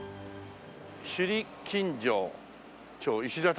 「首里金城町石畳道」